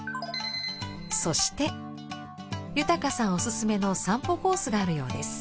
そして豊さんおすすめの散歩コースがあるようです。